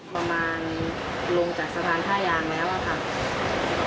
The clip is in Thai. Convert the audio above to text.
ประมาณลงจากสถานท่ายานแล้วค่ะ